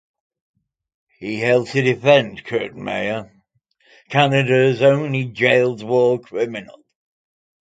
He helped to defend Kurt Meyer, Canada's only jailed war criminal.